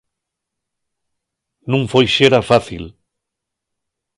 Nun foi xera fácil.